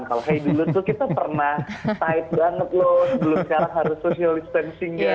kalau hey dulu tuh kita pernah tight banget loh sebelum sekarang harus social distancing guys